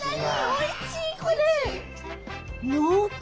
おいしいこれ！